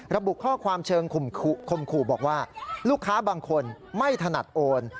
ระบุข้อความเชิงคมขู่บอกว่าลูกค้าบางคนไม่ถนัดโอน